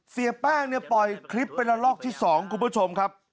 เสียแป้งเนี่ยปล่อยคลิปเป็นละลอกที่๒คุณผู้ชมครับ